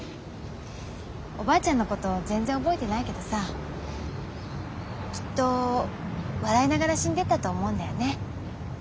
おばあちゃんのこと全然覚えてないけどさきっと笑いながら死んでったと思うんだよね。